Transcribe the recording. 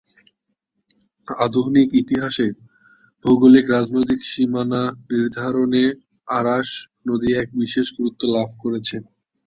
আধুনিক ইতিহাসে, ভৌগোলিক রাজনৈতিক সীমানা নির্ধারণে আরাস নদী এক বিশেষ গুরুত্ব লাভ করেছে।